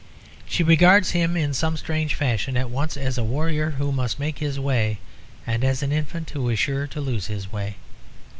She regards him in some strange fashion at once as a warrior who must make his way and as an infant who is sure to lose his way.